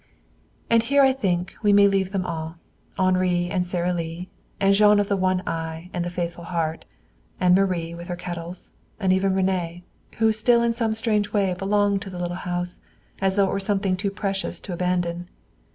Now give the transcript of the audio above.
And there I think we may leave them all Henri and Sara Lee; and Jean of the one eye and the faithful heart; and Marie, with her kettles; and even René, who still in some strange way belonged to the little house, as though it were something too precious to abandon.